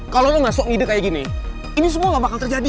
kalau lo masuk ide kayak gini ini semua gak bakal terjadi